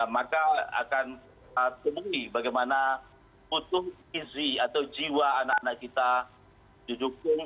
maka akan temui bagaimana utuh gizi atau jiwa anak anak kita didukung